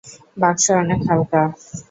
বাক্স অনেক হালকা।